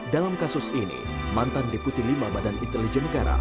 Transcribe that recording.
dalam kasus ini mantan deputi lima badan intelijen negara